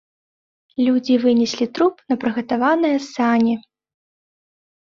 Людзі вынеслі труп на прыгатаваныя сані.